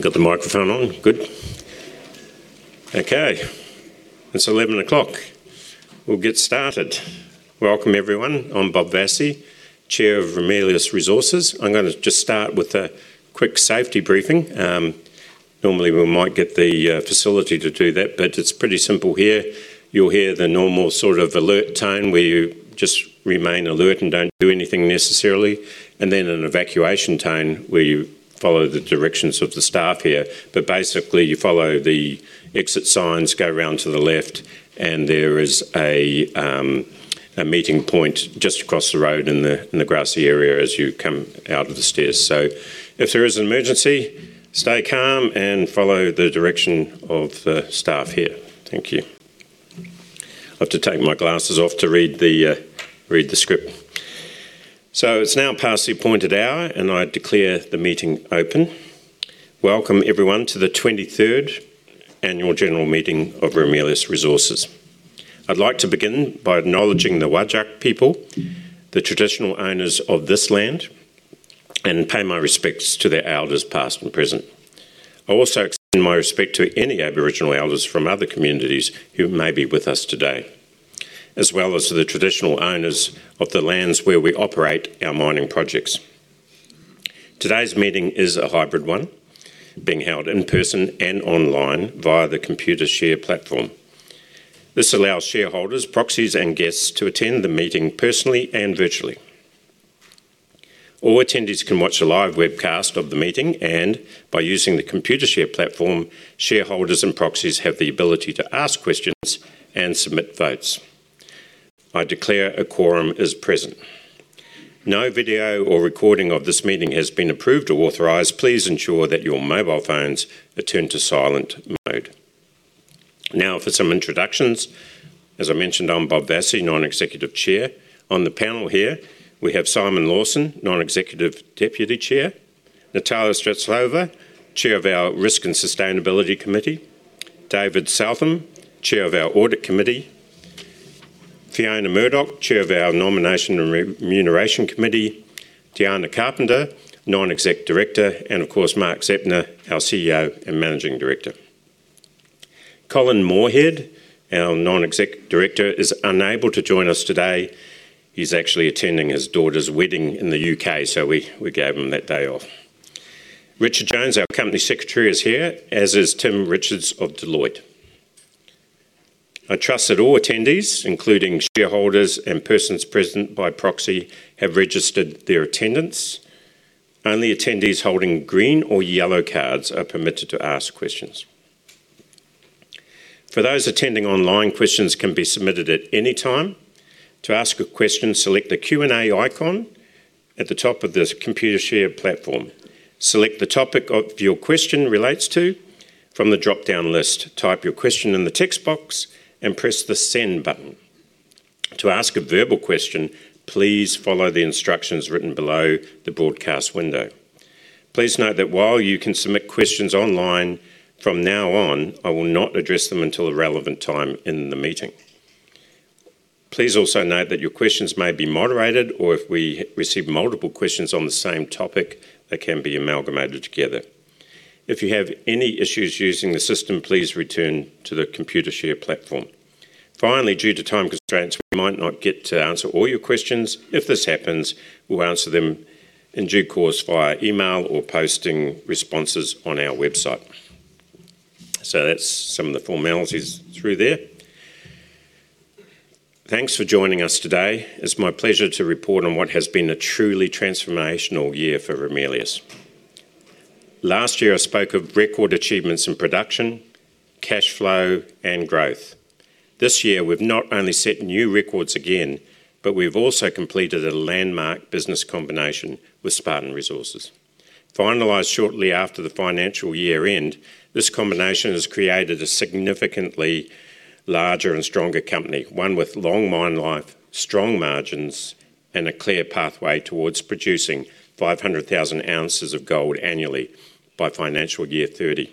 Got the microphone on. Good. Okay. It is 11:00. We will get started. Welcome, everyone. I am Bob Vassie, Chair of Ramelius Resources. I am going to just start with a quick safety briefing. Normally, we might get the facility to do that, but it is pretty simple here. You will hear the normal sort of alert tone where you just remain alert and do not do anything necessarily, and then an evacuation tone where you follow the directions of the staff here. Basically, you follow the exit signs, go around to the left, and there is a meeting point just across the road in the grassy area as you come out of the stairs. If there is an emergency, stay calm and follow the direction of the staff here. Thank you. I have to take my glasses off to read the script. It is now past the appointed hour, and I declare the meeting open. Welcome, everyone, to the 23rd Annual General Meeting of Ramelius Resources. I'd like to begin by acknowledging the Wadjuk people, the traditional owners of this land, and pay my respects to their elders, past and present. I also extend my respect to any Aboriginal elders from other communities who may be with us today, as well as to the traditional owners of the lands where we operate our mining projects. Today's meeting is a hybrid one, being held in person and online via the Computershare platform. This allows shareholders, proxies, and guests to attend the meeting personally and virtually. All attendees can watch a live webcast of the meeting, and by using the Computershare platform, shareholders and proxies have the ability to ask questions and submit votes. I declare a quorum is present. No video or recording of this meeting has been approved or authorized. Please ensure that your mobile phones are turned to silent mode. Now, for some introductions. As I mentioned, I'm Bob Vassie, Non-Executive Chair. On the panel here, we have Simon Lawson, Non-Executive Deputy Chair; Natalia Streltsova, Chair of our Risk and Sustainability Committee; David Southam, Chair of our Audit Committee; Fiona Murdoch, Chair of our Nomination and Remuneration Committee; Deanna Carpenter, Non-Executive Director; and, of course, Mark Zeptner, our CEO and Managing Director. Colin Moorhead, our Non-Executive Director, is unable to join us today. He's actually attending his daughter's wedding in the U.K., so we gave him that day off. Richard Jones, our Company Secretary, is here, as is Tim Richards of Deloitte. I trust that all attendees, including shareholders and persons present by proxy, have registered their attendance. Only attendees holding green or yellow cards are permitted to ask questions. For those attending online, questions can be submitted at any time. To ask a question, select the Q&A icon at the top of the Computershare platform. Select the topic your question relates to from the drop-down list. Type your question in the text box and press the Send button. To ask a verbal question, please follow the instructions written below the broadcast window. Please note that while you can submit questions online from now on, I will not address them until a relevant time in the meeting. Please also note that your questions may be moderated, or if we receive multiple questions on the same topic, they can be amalgamated together. If you have any issues using the system, please return to the Computershare platform. Finally, due to time constraints, we might not get to answer all your questions. If this happens, we'll answer them in due course via email or posting responses on our website. That's some of the formalities through there. Thanks for joining us today. It's my pleasure to report on what has been a truly transformational year for Ramelius. Last year, I spoke of record achievements in production, cash flow, and growth. This year, we've not only set new records again, but we've also completed a landmark business combination with Spartan Resources. Finalized shortly after the financial year-end, this combination has created a significantly larger and stronger company, one with long mine life, strong margins, and a clear pathway towards producing 500,000 ounces of gold annually by financial year 2030.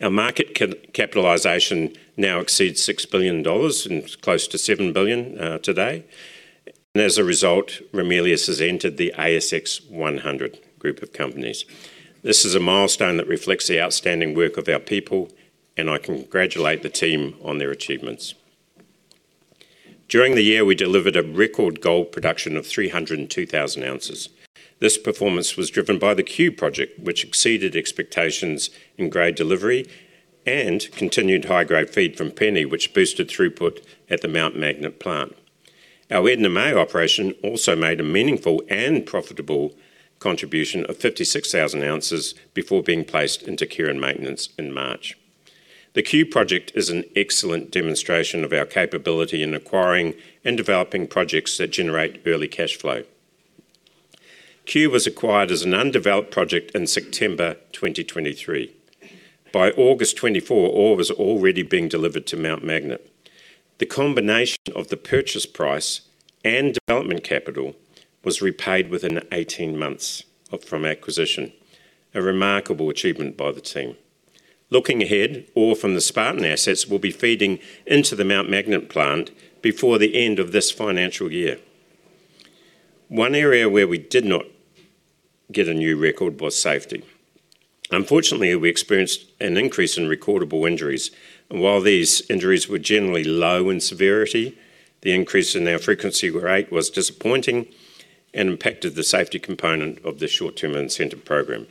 Our market capitalization now exceeds 6 billion dollars and close to 7 billion today. Ramelius has entered the ASX 100 group of companies. This is a milestone that reflects the outstanding work of our people, and I congratulate the team on their achievements. During the year, we delivered a record gold production of 302,000 ounces. This performance was driven by the Q Project, which exceeded expectations in grade delivery, and continued high-grade feed from Penny, which boosted throughput at the Mount Magnet plant. Our Edna May operation also made a meaningful and profitable contribution of 56,000 ounces before being placed into care and maintenance in March. The Q Project is an excellent demonstration of our capability in acquiring and developing projects that generate early cash flow. Q was acquired as an undeveloped project in September 2023. By August 24, ore was already being delivered to Mount Magnet. The combination of the purchase price and development capital was repaid within 18 months from acquisition, a remarkable achievement by the team. Looking ahead, ore from the Spartan assets will be feeding into the Mount Magnet plant before the end of this financial year. One area where we did not get a new record was safety. Unfortunately, we experienced an increase in recordable injuries. While these injuries were generally low in severity, the increase in our frequency rate was disappointing and impacted the safety component of the short-term incentive program.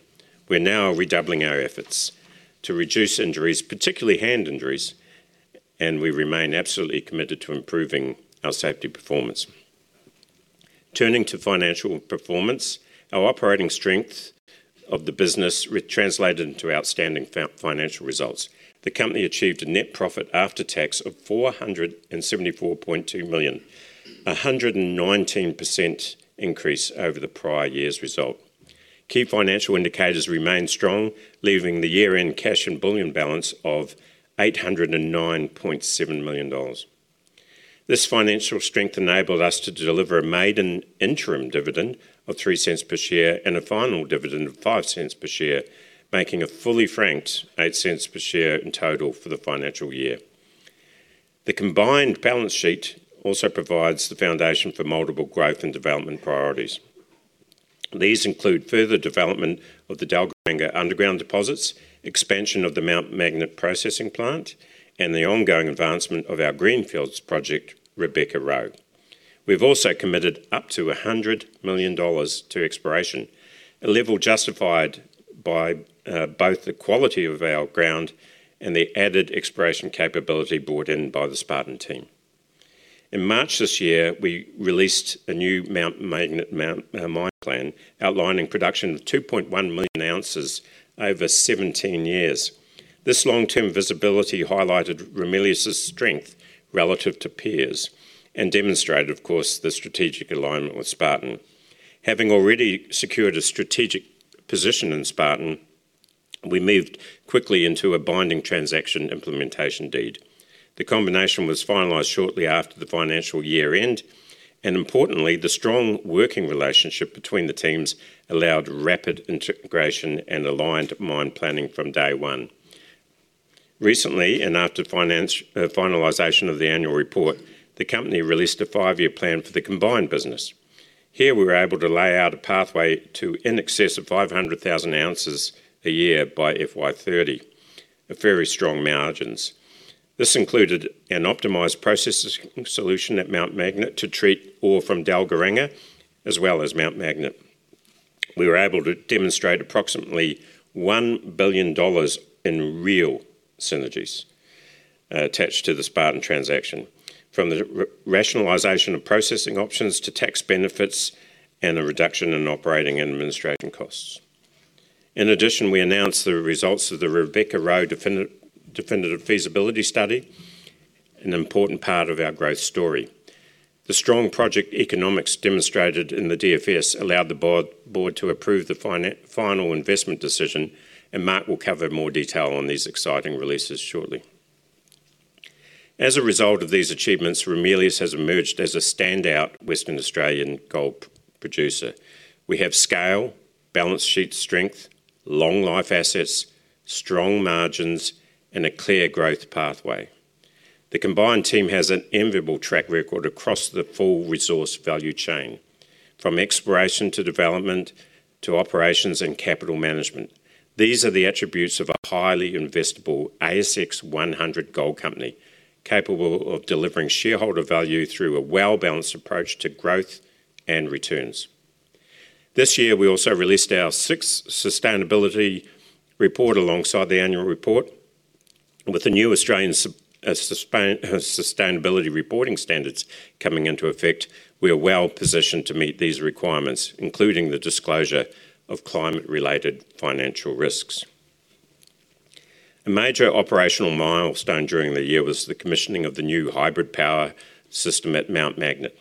We are now redoubling our efforts to reduce injuries, particularly hand injuries, and we remain absolutely committed to improving our safety performance. Turning to financial performance, our operating strength of the business translated into outstanding financial results. The company achieved a net profit after tax of AUD 474.2 million, a 119% increase over the prior year's result. Key financial indicators remained strong, leaving the year-end cash and bullion balance of 809.7 million dollars. This financial strength enabled us to deliver a maiden interim dividend of 0.03 per share and a final dividend of 0.05 per share, making a fully franked 0.08 per share in total for the financial year. The combined balance sheet also provides the foundation for multiple growth and development priorities. These include further development of the Dalgona underground deposits, expansion of the Mount Magnet processing plant, and the ongoing advancement of our greenfields project, Rebecca Rowe. We've also committed up to 100 million dollars to exploration, a level justified by both the quality of our ground and the added exploration capability brought in by the Spartan team. In March this year, we released a new Mount Magnet mine plan outlining production of 2.1 million ounces over 17 years. This long-term visibility highlighted Ramelius's strength relative to peers and demonstrated, of course, the strategic alignment with Spartan. Having already secured a strategic position in Spartan, we moved quickly into a binding transaction implementation deed. The combination was finalized shortly after the financial year-end. Importantly, the strong working relationship between the teams allowed rapid integration and aligned mine planning from day one. Recently, after finalization of the annual report, the company released a five-year plan for the combined business. Here, we were able to lay out a pathway to in excess of 500,000 ounces a year by FY2030, at very strong margins. This included an optimized processing solution at Mount Magnet to treat ore from Dalgona as well as Mount Magnet. We were able to demonstrate approximately 1 billion dollars in real synergies attached to the Spartan transaction, from the rationalization of processing options to tax benefits and a reduction in operating and administration costs. In addition, we announced the results of the Rebecca Rowe definitive feasibility study, an important part of our growth story. The strong project economics demonstrated in the DFS allowed the board to approve the final investment decision, and Mark will cover more detail on these exciting releases shortly. As a result of these achievements, Ramelius has emerged as a standout Western Australian gold producer. We have scale, balance sheet strength, long-life assets, strong margins, and a clear growth pathway. The combined team has an enviable track record across the full resource value chain, from exploration to development to operations and capital management. These are the attributes of a highly investable ASX 100 gold company, capable of delivering shareholder value through a well-balanced approach to growth and returns. This year, we also released our sixth sustainability report alongside the annual report. With the new Australian sustainability reporting standards coming into effect, we are well positioned to meet these requirements, including the disclosure of climate-related financial risks. A major operational milestone during the year was the commissioning of the new hybrid power system at Mount Magnet.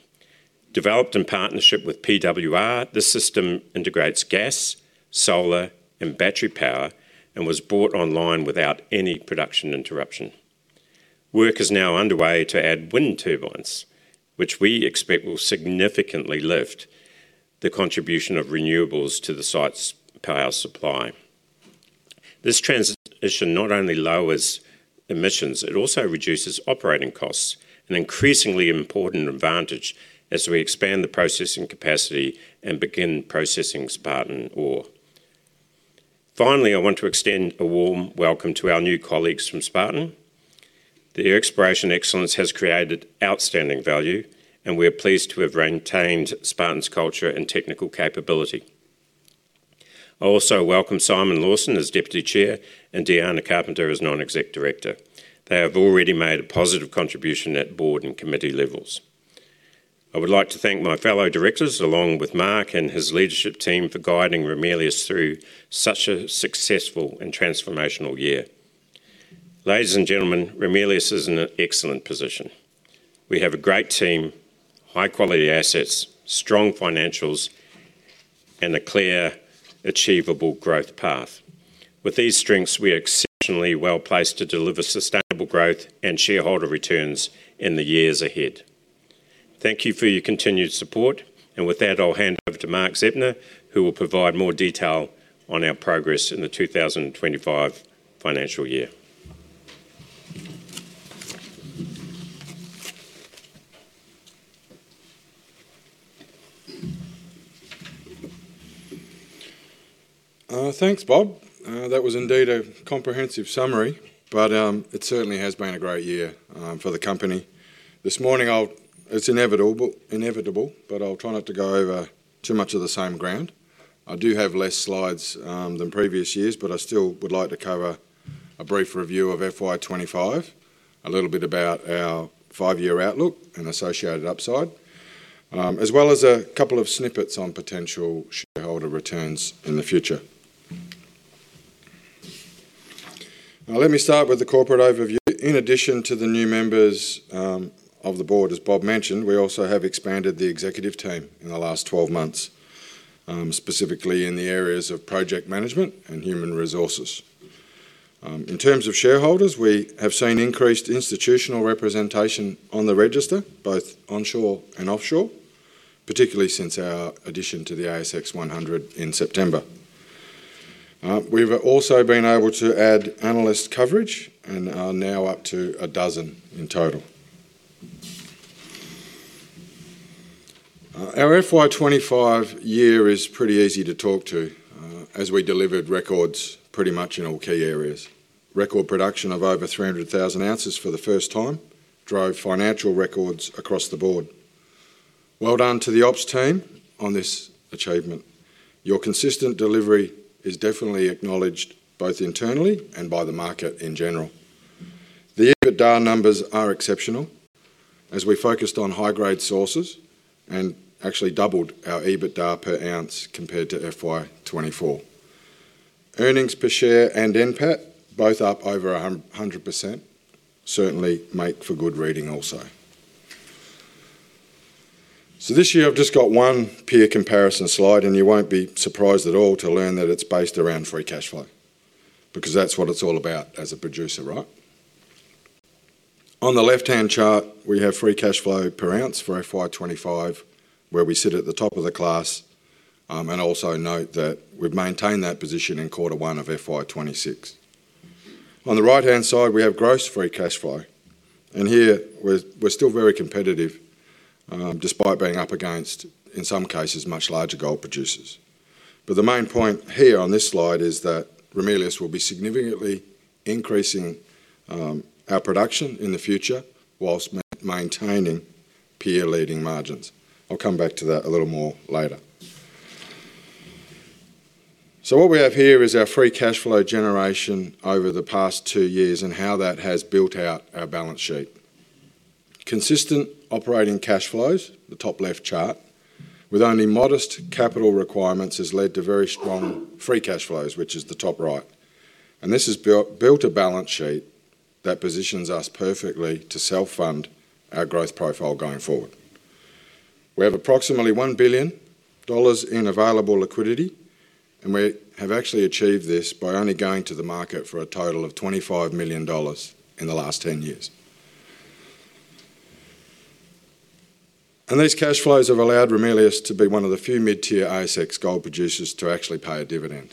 Developed in partnership with PWR, this system integrates gas, solar, and battery power and was brought online without any production interruption. Work is now underway to add wind turbines, which we expect will significantly lift the contribution of renewables to the site's power supply. This transition not only lowers emissions, it also reduces operating costs, an increasingly important advantage as we expand the processing capacity and begin processing Spartan ore. Finally, I want to extend a warm welcome to our new colleagues from Spartan. Their exploration excellence has created outstanding value, and we are pleased to have retained Spartan's culture and technical capability. I also welcome Simon Lawson as Deputy Chair and Deanna Carpenter as Non-Executive Director. They have already made a positive contribution at board and committee levels. I would like to thank my fellow directors, along with Mark and his leadership team, for guiding Ramelius through such a successful and transformational year. Ladies and gentlemen, Ramelius is in an excellent position. We have a great team, high-quality assets, strong financials, and a clear, achievable growth path. With these strengths, we are exceptionally well placed to deliver sustainable growth and shareholder returns in the years ahead. Thank you for your continued support. With that, I'll hand over to Mark Zeptner, who will provide more detail on our progress in the 2025 financial year. Thanks, Bob. That was indeed a comprehensive summary. It certainly has been a great year for the company. This morning, it's inevitable, but I'll try not to go over too much of the same ground. I do have fewer slides than previous years, but I still would like to cover a brief review of FY25, a little bit about our five-year outlook and associated upside, as well as a couple of snippets on potential shareholder returns in the future. Now, let me start with the corporate overview. In addition to the new members of the board, as Bob mentioned, we also have expanded the executive team in the last 12 months, specifically in the areas of project management and human resources. In terms of shareholders, we have seen increased institutional representation on the register, both onshore and offshore, particularly since our addition to the ASX 100 in September. We've also been able to add analyst coverage and are now up to a dozen in total. Our FY2025 year is pretty easy to talk to, as we delivered records pretty much in all key areas. Record production of over 300,000 ounces for the first time drove financial records across the board. Well done to the ops team on this achievement. Your consistent delivery is definitely acknowledged both internally and by the market in general. The EBITDA numbers are exceptional, as we focused on high-grade sources and actually doubled our EBITDA per ounce compared to FY24. Earnings per share and NPAT, both up over 100%, certainly make for good reading also. This year, I have just one peer comparison slide, and you will not be surprised at all to learn that it is based around free cash flow, because that is what it is all about as a producer, right? On the left-hand chart, we have free cash flow per ounce for FY25, where we sit at the top of the class, and also note that we have maintained that position in quarter one of FY26. On the right-hand side, we have gross free cash flow. Here, we are still very competitive despite being up against, in some cases, much larger gold producers. The main point here on this slide is that Ramelius will be significantly increasing our production in the future whilst maintaining peer-leading margins. I'll come back to that a little more later. What we have here is our free cash flow generation over the past two years and how that has built out our balance sheet. Consistent operating cash flows, the top-left chart, with only modest capital requirements has led to very strong free cash flows, which is the top right. This has built a balance sheet that positions us perfectly to self-fund our growth profile going forward. We have approximately 1 billion dollars in available liquidity, and we have actually achieved this by only going to the market for a total of 25 million dollars in the last 10 years. These cash flows have allowed Ramelius to be one of the few mid-tier ASX gold producers to actually pay a dividend,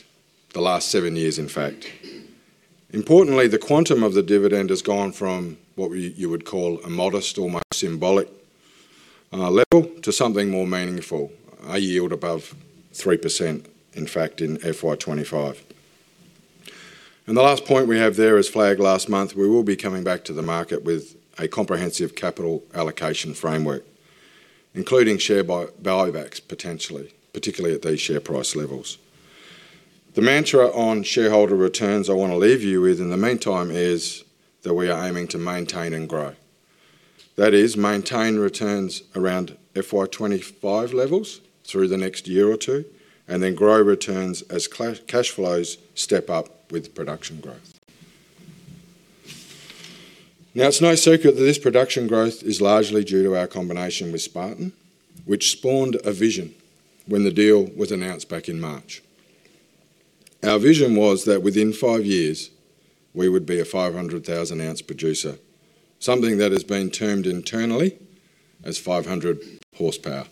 the last seven years, in fact. Importantly, the quantum of the dividend has gone from what you would call a modest or symbolic level to something more meaningful, a yield above 3%, in fact, in FY2025. The last point we have there is flagged last month. We will be coming back to the market with a comprehensive capital allocation framework, including share buybacks potentially, particularly at these share price levels. The mantra on shareholder returns I want to leave you with in the meantime is that we are aiming to maintain and grow. That is, maintain returns around FY2025 levels through the next year or two, and then grow returns as cash flows step up with production growth. Now, it's no secret that this production growth is largely due to our combination with Spartan, which spawned a vision when the deal was announced back in March. Our vision was that within five years, we would be a 500,000-ounce producer, something that has been termed internally as 500 horsepower.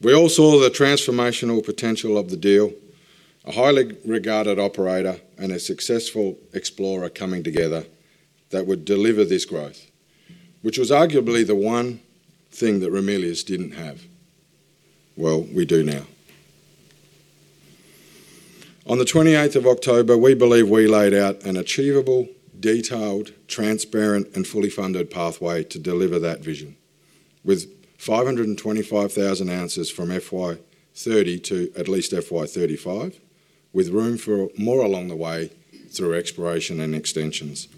We all saw the transformational potential of the deal, a highly regarded operator and a successful explorer coming together that would deliver this growth, which was arguably the one thing that Ramelius didn't have. Well, we do now. On the 28th of October, we believe we laid out an achievable, detailed, transparent, and fully funded pathway to deliver that vision, with 525,000 ounces from FY2030 to at least FY2035, with room for more along the way through exploration and extensions.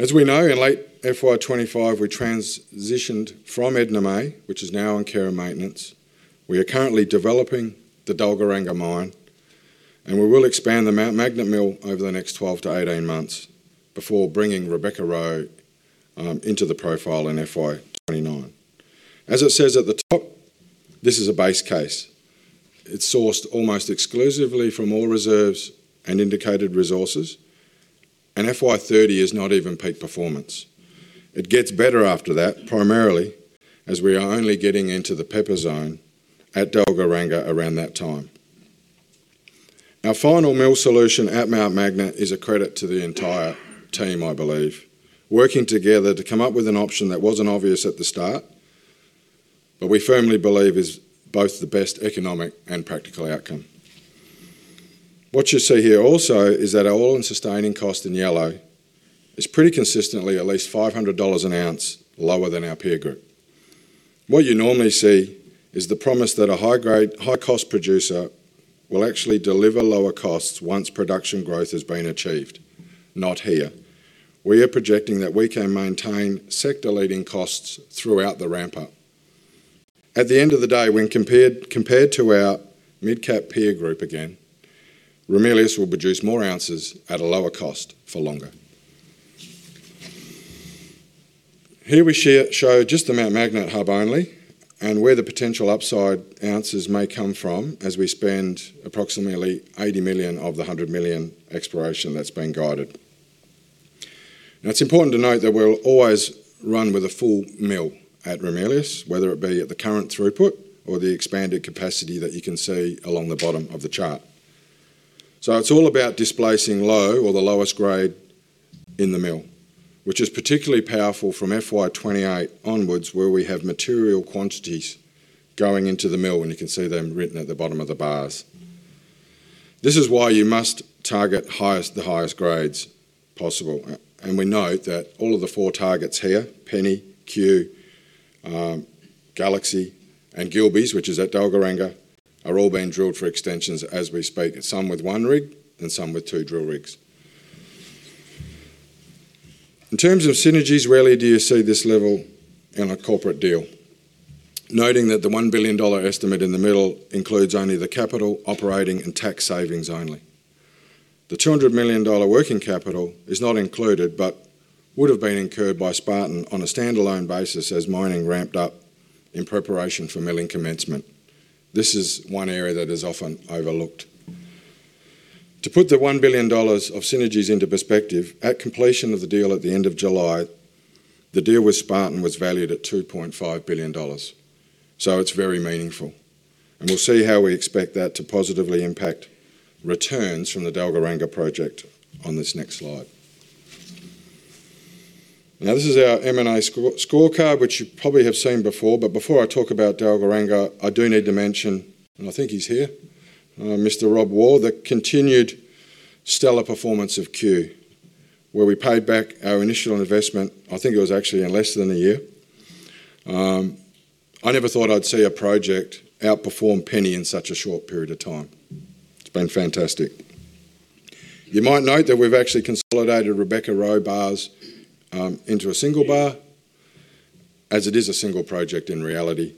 As we know, in late FY2025, we transitioned from Edna May, which is now in care and maintenance. We are currently developing the Dalgona mine, and we will expand the Mount Magnet mill over the next 12-18 months before bringing Rebecca Rowe into the profile in FY2029. As it says at the top, this is a base case. It's sourced almost exclusively from all reserves and indicated resources, and FY2030 is not even peak performance. It gets better after that, primarily as we are only getting into the pepper zone at Dalgona around that time. Our final mill solution at Mount Magnet is a credit to the entire team, I believe, working together to come up with an option that was not obvious at the start, but we firmly believe is both the best economic and practical outcome. What you see here also is that our all-in sustaining cost in yellow is pretty consistently at least 500 dollars an ounce lower than our peer group. What you normally see is the promise that a high-cost producer will actually deliver lower costs once production growth has been achieved. Not here. We are projecting that we can maintain sector-leading costs throughout the ramp-up. At the end of the day, when compared to our mid-cap peer group again, Ramelius will produce more ounces at a lower cost for longer. Here we show just the Mount Magnet hub only and where the potential upside ounces may come from as we spend approximately 80 million of the 100 million exploration that's been guided. Now, it's important to note that we'll always run with a full mill at Ramelius, whether it be at the current throughput or the expanded capacity that you can see along the bottom of the chart. It is all about displacing low or the lowest grade in the mill, which is particularly powerful from FY2028 onwards where we have material quantities going into the mill, and you can see them written at the bottom of the bars. This is why you must target the highest grades possible. We note that all of the four targets here, Penny, Q, Galaxy, and Gilbeys, which is at Dalgona, are all being drilled for extensions as we speak, some with one rig and some with two drill rigs. In terms of synergies, rarely do you see this level in a corporate deal, noting that the 1 billion dollar estimate in the middle includes only the capital, operating, and tax savings only. The 200 million dollar working capital is not included but would have been incurred by Spartan on a standalone basis as mining ramped up in preparation for milling commencement. This is one area that is often overlooked. To put the 1 billion dollars of synergies into perspective, at completion of the deal at the end of July, the deal with Spartan was valued at 2.5 billion dollars. It is very meaningful. We will see how we expect that to positively impact returns from the Dalgona project on this next slide. This is our M&A scorecard, which you probably have seen before. Before I talk about Dalgona, I do need to mention, and I think he is here, Mr. Rob Wake, the continued stellar performance of Q, where we paid back our initial investment. I think it was actually in less than a year. I never thought I would see a project outperform Penny in such a short period of time. It has been fantastic. You might note that we've actually consolidated Rebecca Rowe bars into a single bar, as it is a single project in reality.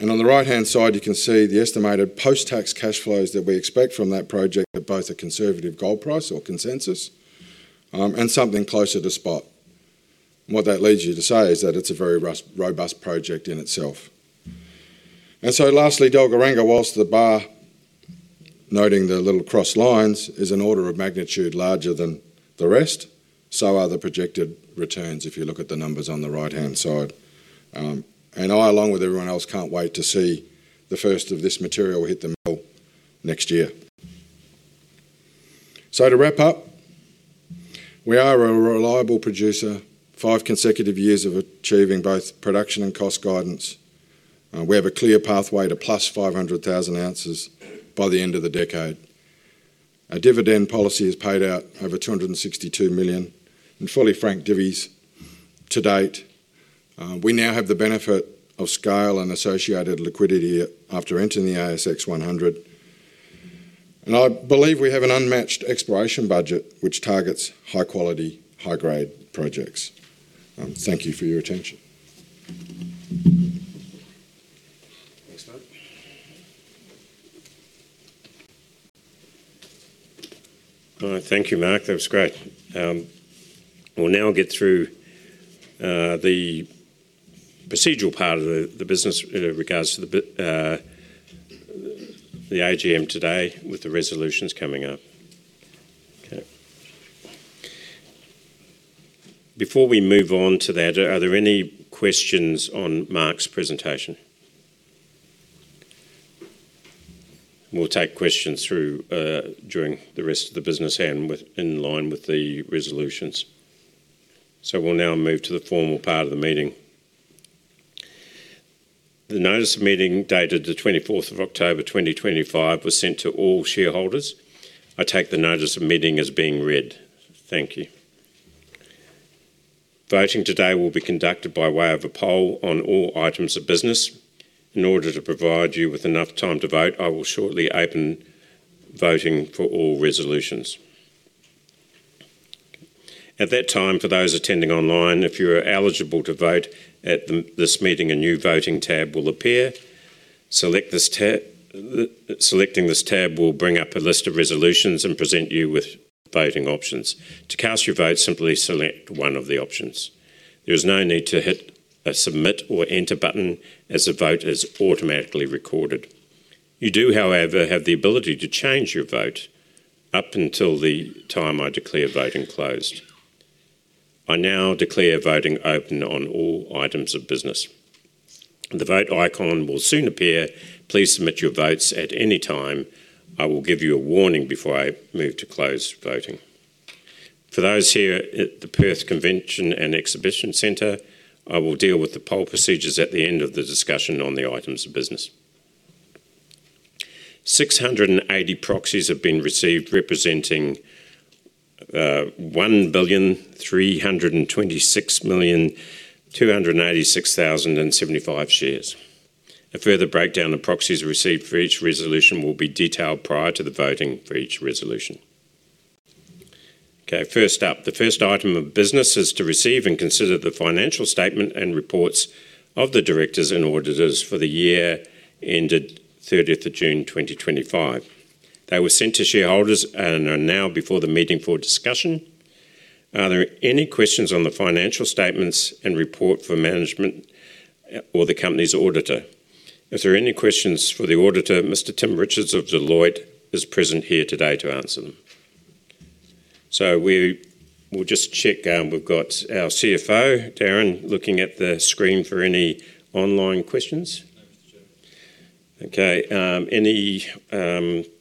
On the right-hand side, you can see the estimated post-tax cash flows that we expect from that project, both at a conservative gold price or consensus and something closer to spot. What that leads you to say is that it's a very robust project in itself. Lastly, Dalgona, whilst the bar, noting the little cross lines, is an order of magnitude larger than the rest, so are the projected returns if you look at the numbers on the right-hand side. I, along with everyone else, can't wait to see the first of this material hit the mill next year. To wrap up, we are a reliable producer, five consecutive years of achieving both production and cost guidance. We have a clear pathway to plus 500,000 ounces by the end of the decade. Our dividend policy has paid out over 262 million, and fully franked divvies, to date. We now have the benefit of scale and associated liquidity after entering the ASX 100. I believe we have an unmatched exploration budget, which targets high-quality, high-grade projects. Thank you for your attention. Thank you, Mark. That was great. We'll now get through the procedural part of the business in regards to the AGM today with the resolutions coming up. Okay. Before we move on to that, are there any questions on Mark's presentation? We'll take questions through during the rest of the business and in line with the resolutions. We'll now move to the formal part of the meeting. The notice of meeting dated the 24th of October, 2025, was sent to all shareholders. I take the notice of meeting as being read. Thank you. Voting today will be conducted by way of a poll on all items of business. In order to provide you with enough time to vote, I will shortly open voting for all resolutions. At that time, for those attending online, if you are eligible to vote at this meeting, a new voting tab will appear. Selecting this tab will bring up a list of resolutions and present you with voting options. To cast your vote, simply select one of the options. There is no need to hit a submit or enter button as the vote is automatically recorded. You do, however, have the ability to change your vote up until the time I declare voting closed. I now declare voting open on all items of business. The vote icon will soon appear. Please submit your votes at any time. I will give you a warning before I move to close voting. For those here at the Perth Convention and Exhibition Centre, I will deal with the poll procedures at the end of the discussion on the items of business. Six hundred eighty proxies have been received representing 1,326,286,075 shares. A further breakdown of proxies received for each resolution will be detailed prior to the voting for each resolution. Okay. First up, the first item of business is to receive and consider the financial statement and reports of the directors and auditors for the year ended 30th of June, 2025. They were sent to shareholders and are now before the meeting for discussion. Are there any questions on the financial statements and report for management or the company's auditor? If there are any questions for the auditor, Mr. Tim Richards of Deloitte is present here today to answer them. We'll just check. We've got our CFO, Darren, looking at the screen for any online questions. Okay. Any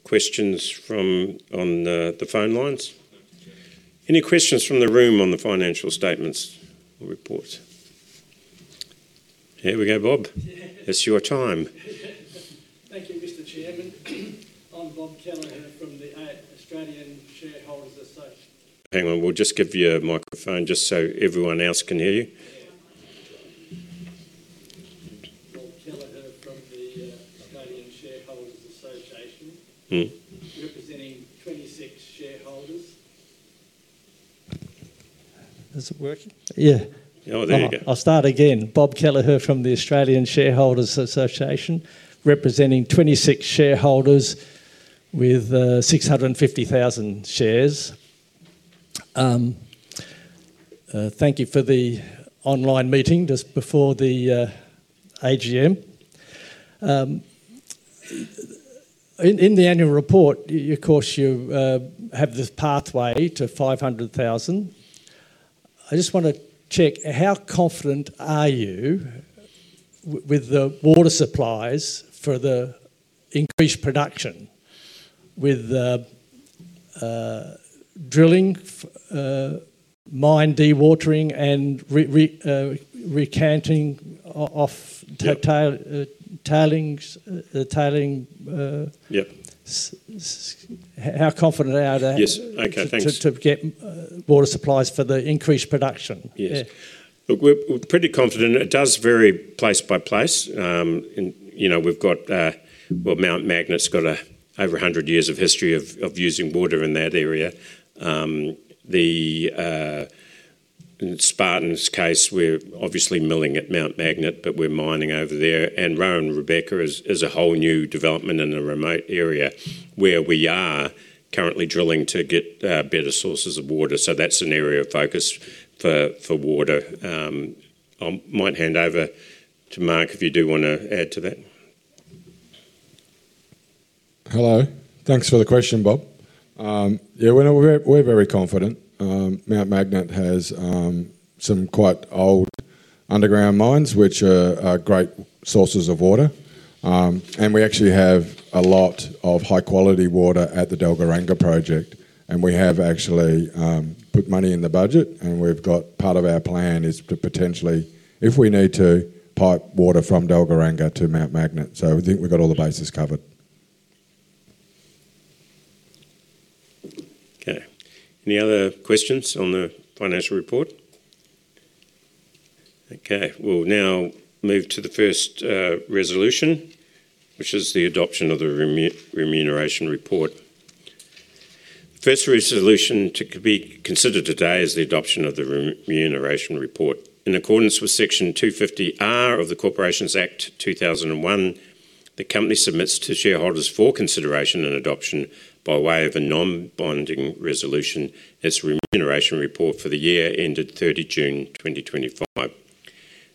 questions from on the phone lines? Any questions from the room on the financial statements report? Here we go, Bob. It's your time. Thank you, Mr. Chairman. I'm Bob Kelleher from the Australian Shareholders Association. Hang on. We'll just give you a microphone just so everyone else can hear you. Bob Kelleher from the Australian Shareholders Association, representing 26 shareholders. Is it working? Yeah. Oh, there you go. I'll start again. Bob Kelleher from the Australian Shareholders Association, representing 26 shareholders with 650,000 shares. Thank you for the online meeting just before the AGM. In the annual report, of course, you have this pathway to 500,000. I just want to check how confident are you with the water supplies for the increased production with drilling, mine dewatering, and recanting off tailing? Yep. How confident are you to get water supplies for the increased production? Yes. Look, we're pretty confident. It does vary place by place. We've got Mount Magnet, has got over 100 years of history of using water in that area. The Spartan's case, we're obviously milling at Mount Magnet, but we're mining over there. And Rowan Rebecca is a whole new development in a remote area where we are currently drilling to get better sources of water. That's an area of focus for water. I might hand over to Mark if you do want to add to that. Hello. Thanks for the question, Bob. Yeah, we're very confident. Mount Magnet has some quite old underground mines, which are great sources of water. We actually have a lot of high-quality water at the Dalgona project. We have actually put money in the budget. Part of our plan is to potentially, if we need to, pipe water from Dalgona to Mount Magnet. I think we've got all the bases covered. Okay. Any other questions on the financial report? Okay. We'll now move to the first resolution, which is the adoption of the remuneration report. The first resolution to be considered today is the adoption of the remuneration report. In accordance with Section 250(r) of the Corporations Act 2001, the company submits to shareholders for consideration and adoption by way of a non-binding resolution its remuneration report for the year ended 30 June 2025.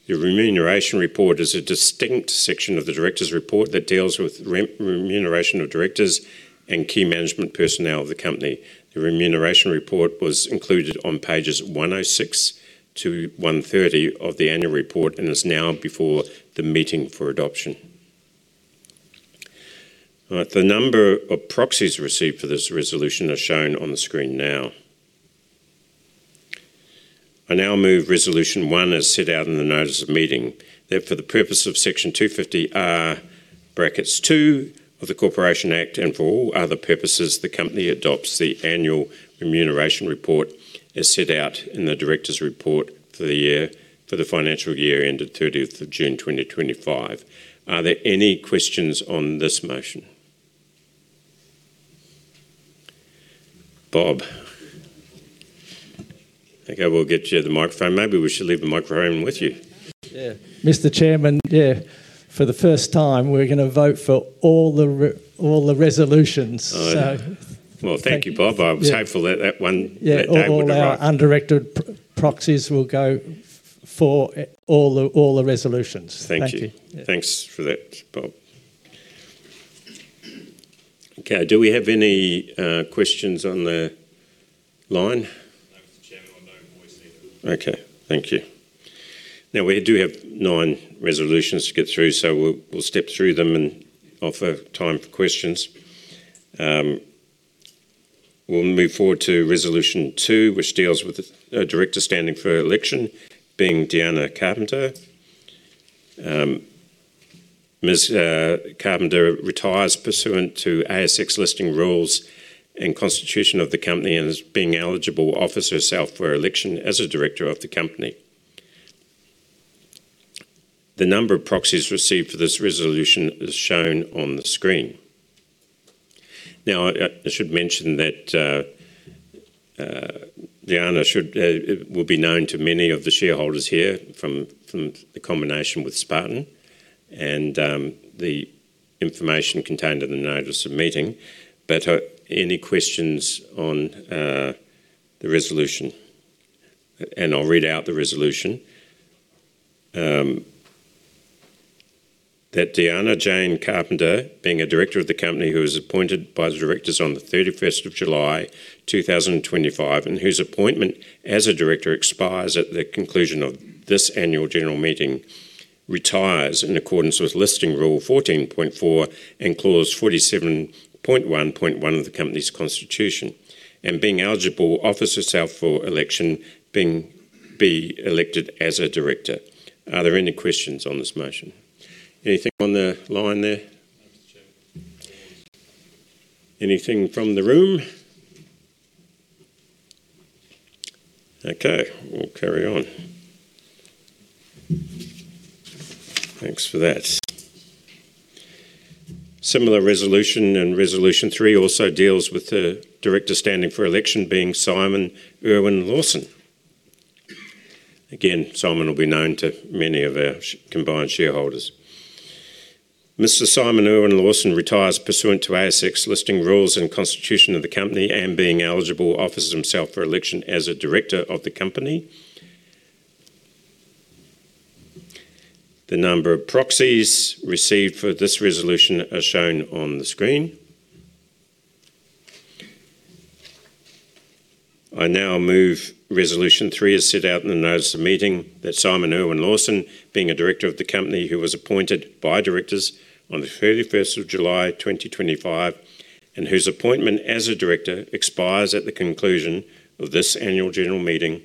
The remuneration report is a distinct section of the directors' report that deals with remuneration of directors and key management personnel of the company. The remuneration report was included on pages 106 to 130 of the annual report and is now before the meeting for adoption. The number of proxies received for this resolution are shown on the screen now. I now move Resolution 1 as set out in the notice of meeting. That for the purpose of Section 250(r)(2) of the Corporations Act and for all other purposes, the company adopts the annual remuneration report as set out in the directors' report for the financial year ended 30th of June 2025. Are there any questions on this motion? Bob. Okay. We'll get you the microphone. Maybe we should leave the microphone with you. Yeah. Mr. Chairman, yeah. For the first time, we're going to vote for all the resolutions. Thank you, Bob. I was hopeful that that one day would arrive. Yeah. All our undirected proxies will go for all the resolutions. Thank you. Thanks for that, Bob. Okay. Do we have any questions on the line? No, Mr. Chairman. I don't voice either. Okay. Thank you. Now, we do have nine resolutions to get through, so we'll step through them and offer time for questions. We'll move forward to Resolution 2, which deals with a director standing for election, being Deanna Carpenter. Ms. Carpenter retires pursuant to ASX listing rules and constitution of the company and is being eligible offers herself for election as a director of the company. The number of proxies received for this resolution is shown on the screen. Now, I should mention that Deanna will be known to many of the shareholders here from the combination with Spartan and the information contained in the notice of meeting. Any questions on the resolution? I'll read out the resolution. That Deanna Jane Carpenter, being a director of the company who is appointed by the directors on the 31st of July 2025, and whose appointment as a director expires at the conclusion of this annual general meeting, retires in accordance with Listing Rule 14.4 and Clause 47.1.1 of the company's constitution, and being eligible, offers herself for election, being be elected as a director. Are there any questions on this motion? Anything on the line there? Anything from the room? Okay. We'll carry on. Thanks for that. Similar resolution, and Resolution 3 also deals with the director standing for election, being Simon Lawson. Again, Simon will be known to many of our combined shareholders. Mr. Simon Lawson retires pursuant to ASX listing rules and constitution of the company and being eligible, offers himself for election as a director of the company. The number of proxies received for this resolution are shown on the screen. I now move Resolution 3 as set out in the notice of meeting that Simon Lawson, being a director of the company who was appointed by directors on the 31st of July 2025, and whose appointment as a director expires at the conclusion of this annual general meeting,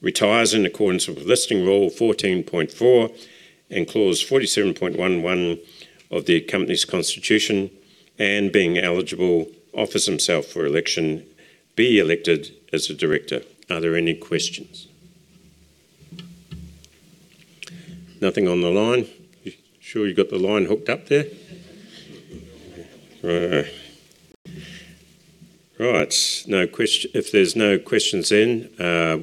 retires in accordance with Listing Rule 14.4 and Clause 47.1.1 of the company's constitution, and being eligible offers himself for election, be elected as a director. Are there any questions? Nothing on the line? Sure you've got the line hooked up there? Right. If there's no questions then,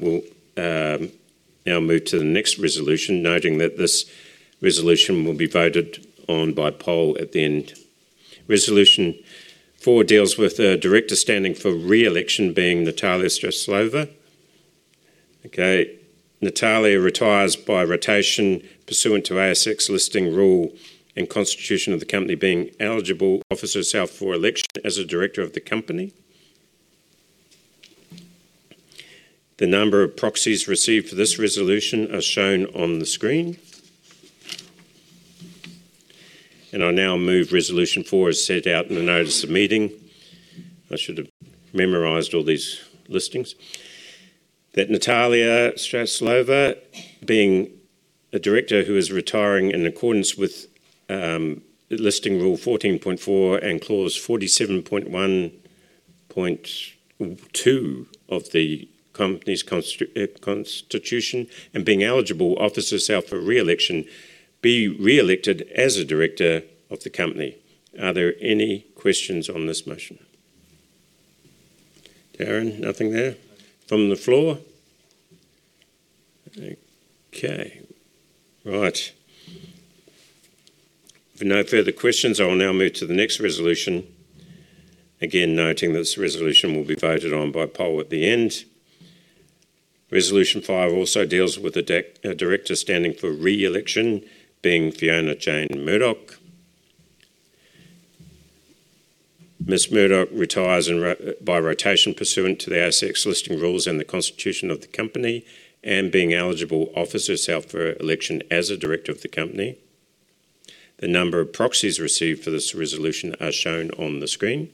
we'll now move to the next resolution, noting that this resolution will be voted on by poll at the end. Resolution 4 deals with a director standing for re-election, being Natalia Streltsova. Okay. Natalia retires by rotation pursuant to ASX listing rule and constitution of the company, being eligible offers herself for election as a director of the company. The number of proxies received for this resolution are shown on the screen. I now move Resolution 4 as set out in the notice of meeting. I should have memorized all these listings. That Natalia Stretslova, being a director who is retiring in accordance with Listing Rule 14.4 and Clause 47.1.2 of the company's constitution, and being eligible offers herself for re-election, be re-elected as a director of the company. Are there any questions on this motion? Darren, nothing there? From the floor? Okay. Right. If no further questions, I'll now move to the next resolution. Again, noting that this resolution will be voted on by poll at the end. Resolution 5 also deals with a director standing for re-election, being Fiona Jane Murdoch. Ms. Murdoch retires by rotation pursuant to the ASX listing rules and the constitution of the company, and being eligible offers herself for election as a director of the company. The number of proxies received for this resolution are shown on the screen.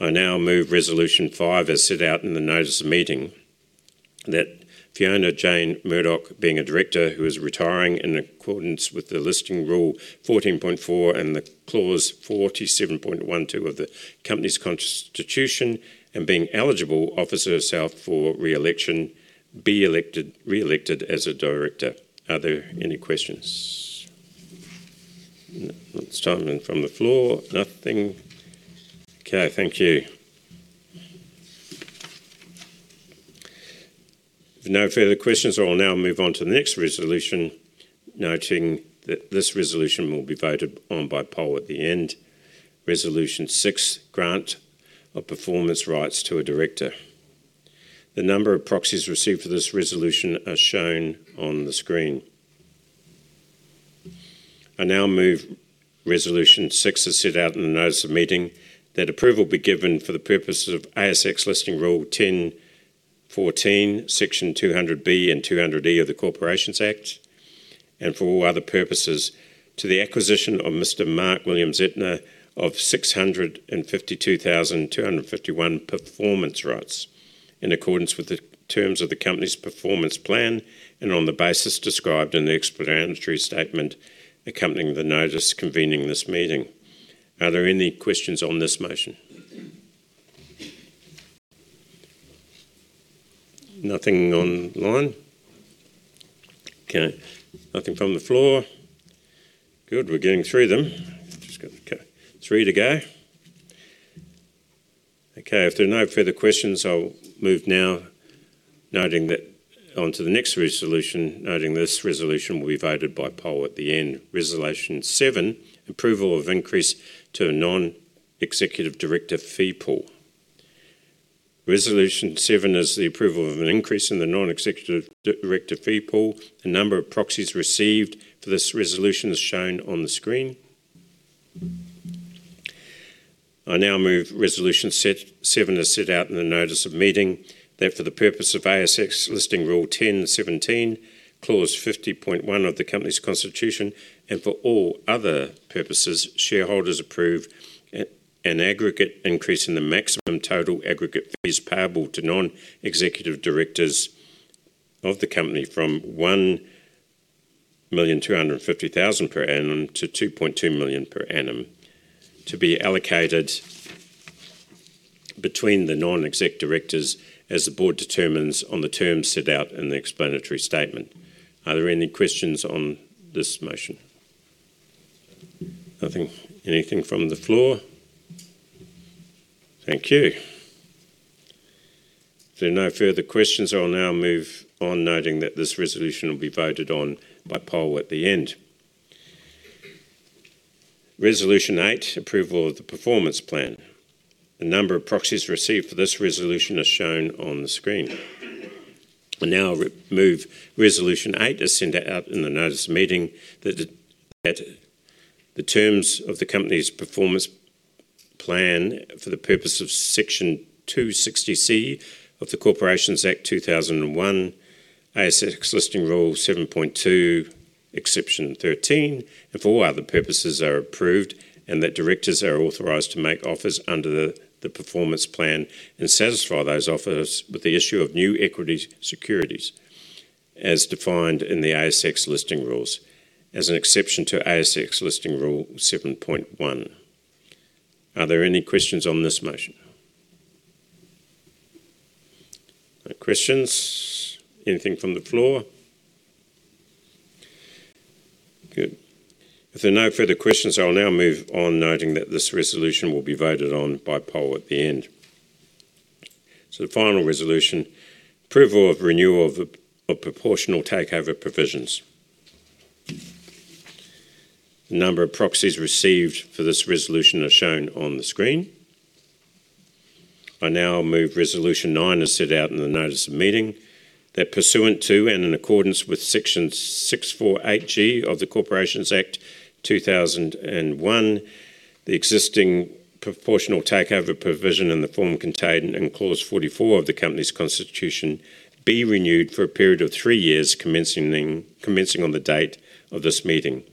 I now move Resolution 5 as set out in the notice of meeting. That Fiona Jane Murdoch, being a director who is retiring in accordance with Listing Rule 14.4 and Clause 47.1.2 of the company's constitution, and being eligible offers herself for re-election, be re-elected as a director. Are there any questions? Starting from the floor. Nothing. Okay. Thank you. If no further questions, I'll now move on to the next resolution, noting that this resolution will be voted on by poll at the end. Resolution 6, grant of performance rights to a director. The number of proxies received for this resolution are shown on the screen. I now move Resolution 6 as set out in the notice of meeting that approval be given for the purposes of ASX Listing Rule 10.14, Section 200(b) and 200(e) of the Corporations Act, and for all other purposes, to the acquisition of Mr. Mark Zeptner of 652,251 performance rights in accordance with the terms of the company's performance plan and on the basis described in the explanatory statement accompanying the notice convening this meeting. Are there any questions on this motion? Nothing on the line? Okay. Nothing from the floor. Good. We're getting through them. Just got three to go. Okay. If there are no further questions, I'll move now, onto the next resolution, noting this resolution will be voted by poll at the end. Resolution 7, approval of increase to a non-executive director fee pool. Resolution 7 is the approval of an increase in the non-executive director fee pool. The number of proxies received for this resolution is shown on the screen. I now move Resolution 7 as set out in the notice of meeting that for the purpose of ASX Listing Rule 10.17, Clause 50.1 of the company's constitution, and for all other purposes, shareholders approve an aggregate increase in the maximum total aggregate fees payable to non-executive directors of the company from 1,250,000 per annum to 2.2 million per annum to be allocated between the non-exec directors as the board determines on the terms set out in the explanatory statement. Are there any questions on this motion? Nothing. Anything from the floor? Thank you. If there are no further questions, I'll now move on, noting that this resolution will be voted on by poll at the end. Resolution 8, approval of the performance plan. The number of proxies received for this resolution is shown on the screen. I now move Resolution 8 as set out in the notice of meeting that the terms of the company's performance plan for the purpose of Section 260(c) of the Corporations Act 2001, ASX Listing Rule 7.2, Exception 13, and for all other purposes are approved, and that directors are authorized to make offers under the performance plan and satisfy those offers with the issue of new equity securities as defined in the ASX Listing Rules as an exception to ASX Listing Rule 7.1. Are there any questions on this motion? No questions. Anything from the floor? Good. If there are no further questions, I'll now move on, noting that this resolution will be voted on by poll at the end. The final resolution, approval of renewal of proportional takeover provisions. The number of proxies received for this resolution are shown on the screen. I now move Resolution 9 as set out in the notice of meeting that pursuant to and in accordance with Section 648(g) of the Corporations Act 2001, the existing proportional takeover provision and the form contained in Clause 44 of the company's constitution be renewed for a period of three years commencing on the date of this meeting.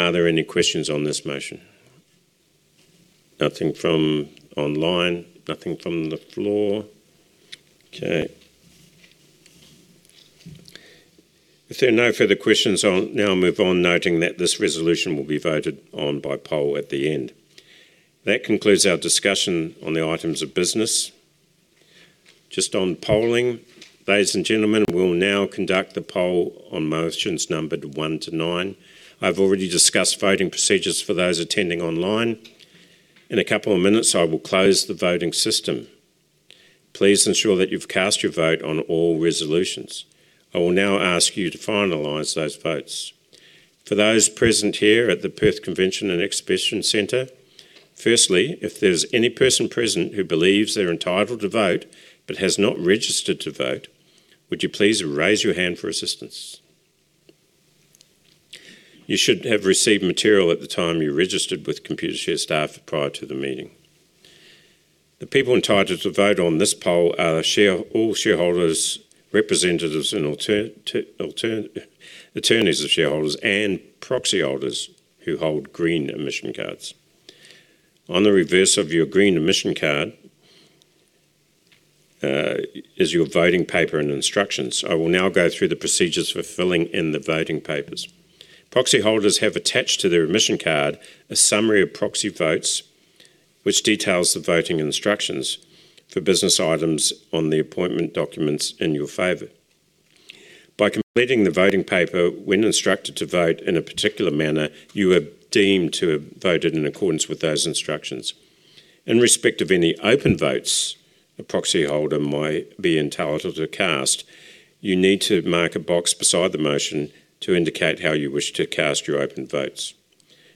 Are there any questions on this motion? Nothing from online. Nothing from the floor. Okay. If there are no further questions, I'll now move on, noting that this resolution will be voted on by poll at the end. That concludes our discussion on the items of business. Just on polling, ladies and gentlemen, we'll now conduct the poll on motions numbered 1 to 9. I've already discussed voting procedures for those attending online. In a couple of minutes, I will close the voting system. Please ensure that you've cast your vote on all resolutions. I will now ask you to finalize those votes. For those present here at the Perth Convention and Exhibition Centre, firstly, if there's any person present who believes they're entitled to vote but has not registered to vote, would you please raise your hand for assistance? You should have received material at the time you registered with Computershare staff prior to the meeting. The people entitled to vote on this poll are all shareholders, representatives and attorneys of shareholders, and proxy holders who hold green admission cards. On the reverse of your green admission card is your voting paper and instructions. I will now go through the procedures for filling in the voting papers. Proxy holders have attached to their admission card a summary of proxy votes, which details the voting instructions for business items on the appointment documents in your favor. By completing the voting paper, when instructed to vote in a particular manner, you are deemed to have voted in accordance with those instructions. In respect of any open votes a proxy holder might be entitled to cast, you need to mark a box beside the motion to indicate how you wish to cast your open votes.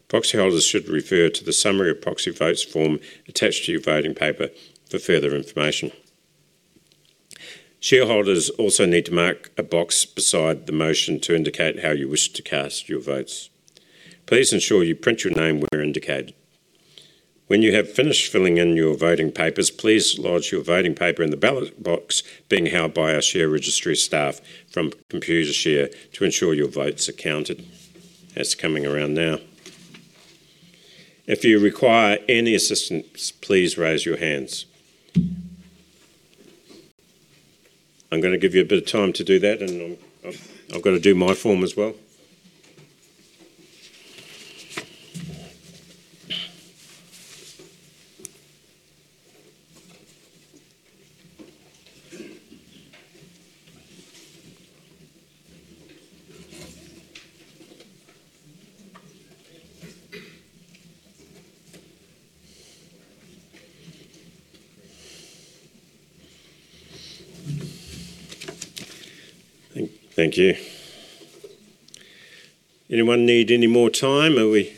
Proxy holders should refer to the summary of proxy votes form attached to your voting paper for further information. Shareholders also need to mark a box beside the motion to indicate how you wish to cast your votes. Please ensure you print your name where indicated. When you have finished filling in your voting papers, please lodge your voting paper in the ballot box, being held by our share registry staff from Computershare to ensure your votes are counted. That is coming around now. If you require any assistance, please raise your hands. I am going to give you a bit of time to do that, and I have got to do my form as well. Thank you. Anyone need any more time? Are we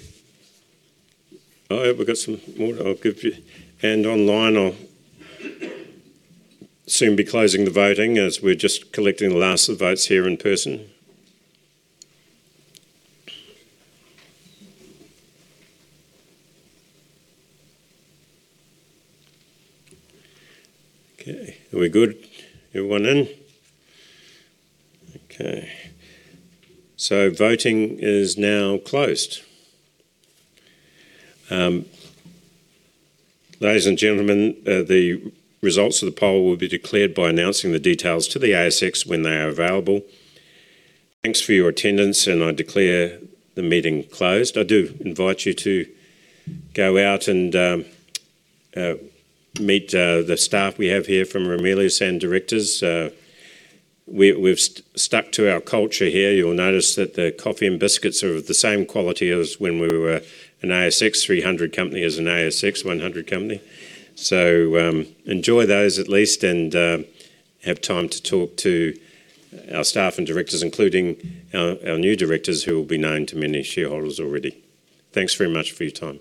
all right? We have got some more. I will give you a hand online. I will soon be closing the voting as we are just collecting the last of the votes here in person. Okay. Are we good? Everyone in? Okay. Voting is now closed. Ladies and gentlemen, the results of the poll will be declared by announcing the details to the ASX when they are available. Thanks for your attendance, and I declare the meeting closed. I do invite you to go out and meet the staff we have here from Ramelius and directors. We've stuck to our culture here. You'll notice that the coffee and biscuits are of the same quality as when we were an ASX 300 company as an ASX 100 company. Enjoy those at least and have time to talk to our staff and directors, including our new directors who will be known to many shareholders already. Thanks very much for your time.